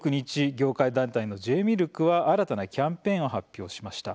業界団体のＪミルクは新たなキャンペーンを発表しました。